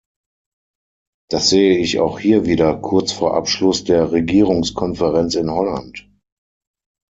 Das sehe ich auch hier wieder kurz vor Abschluss der Regierungskonferenz in Holland.